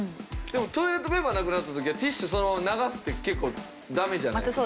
でもトイレットペーパーなくなった時はティッシュそのまま流すって結構ダメじゃないですか。